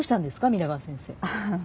皆川先生。